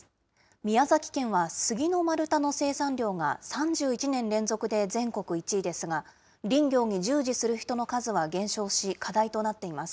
宮崎県は杉の丸太の生産量が３１年連続で全国１位ですが、林業に従事する人の数は減少し、課題となっています。